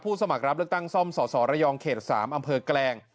สมัครรับเลือกตั้งซ่อมสสระยองเขต๓อำเภอแกลง